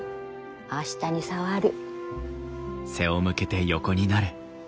明日に障る。